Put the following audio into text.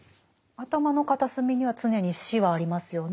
頭の片隅には常に死はありますよね。